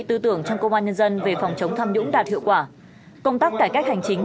tư tưởng trong công an nhân dân về phòng chống tham nhũng đạt hiệu quả công tác cải cách hành chính